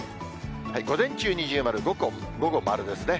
午前中、二重丸、午後、丸ですね。